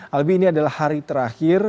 albi ini adalah hari terakhir